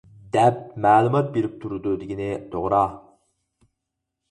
دەپ مەلۇمات بېرىپ تۇرىدۇ، دېگىنى توغرا!